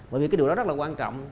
bởi vì cái điều đó rất là quan trọng